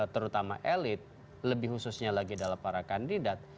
terutama elit lebih khususnya lagi dalam para kandidat